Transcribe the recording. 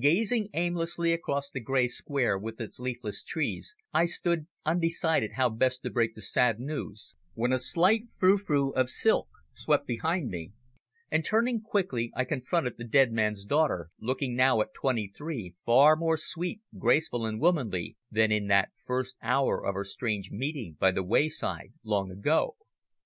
Gazing aimlessly across the grey Square with its leafless trees, I stood undecided how best to break the sad news, when a slight frou frou of silk swept behind me, and, turning quickly, I confronted the dead man's daughter, looking now, at twenty three, far more sweet, graceful and womanly than in that first hour of our strange meeting by the wayside long ago.